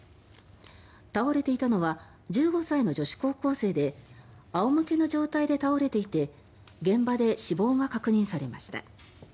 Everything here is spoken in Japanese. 倒れていたのは１５歳の女子高校生で仰向けの状態で倒れていて現場で死亡が確認されました。